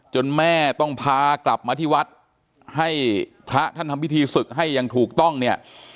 แม่ต้องพากลับมาที่วัดให้พระท่านทำพิธีศึกให้อย่างถูกต้องเนี่ย